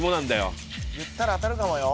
言ったら当たるかもよ。